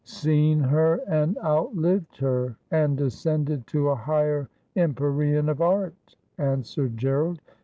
Seen her, and outlived her, and ascended to a higher empy rean of art,' answered Gerald.